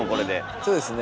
そうですね